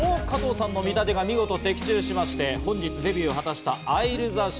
加藤さんの見立てが見事的中しまして本日デビューを果たしたＡｉｌｅＴｈｅＳｈｏｔａ。